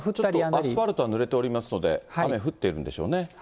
アスファルトがぬれていますので、雨降っているんでしょうね。